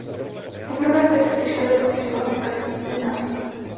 Poprvé text vyšel jako příloha v "Pražských novinách".